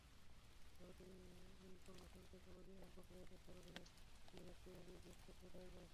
ভারতের information technology and copyright অ্যাক্টের অধীনে পুলিশ একটি অভিযোগপত্র দায়ের করেছে।